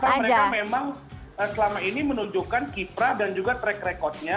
karena mereka memang selama ini menunjukkan kiprah dan juga track recordnya